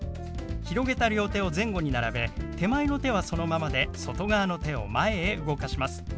広げた両手を前後に並べ手前の手はそのままで外側の手を前へ動かします。